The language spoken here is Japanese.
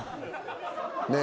ねえ。